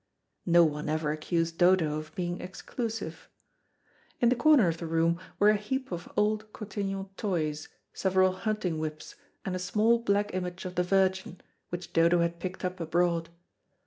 No one ever accused Dodo of being exclusive. In the corner of the room were a heap of old cotillion toys, several hunting whips, and a small black image of the Virgin, which Dodo had picked up abroad.